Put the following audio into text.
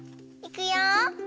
いくよ。